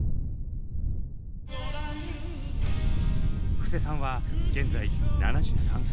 布施さんは現在７３歳。